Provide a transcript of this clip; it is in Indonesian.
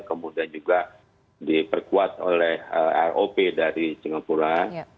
kemudian juga diperkuat oleh rop dari singapura